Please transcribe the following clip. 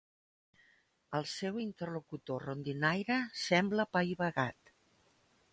El seu interlocutor rondinaire sembla apaivagat.